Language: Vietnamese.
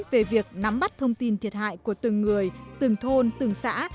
về việc nắm bắt thông tin thiệt hại của từng người từng thôn từng xã